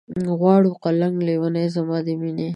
غواړي قلنګ لېونے زما د مينې